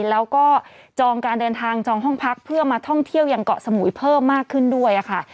แล้วก็จองการเดินทางจองห้องพักเพื่อมาท่องเที่ยวยังเกาะสมุยเพิ่มมากขึ้นด้วยค่ะ